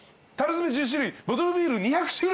「樽詰１０種類ボトルビール２００種類」